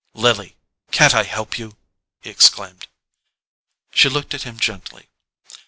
"Lily—can't I help you?" he exclaimed. She looked at him gently.